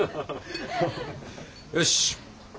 よし。